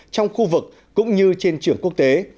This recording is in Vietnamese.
trong khu vực cũng như trên trường quốc tế